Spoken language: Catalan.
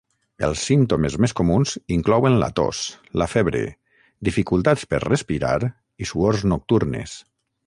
Els símptomes més comuns inclouen la tos, la febre, dificultats per respirar i suors nocturnes.